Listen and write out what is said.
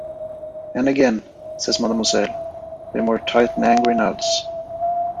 "And again," says mademoiselle with more tight and angry nods.